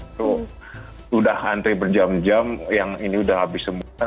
itu sudah antri berjam jam yang ini sudah habis semua